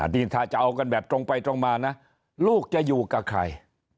นี่ถ้าจะเอากันแบบตรงไปตรงมานะลูกจะอยู่กับใคร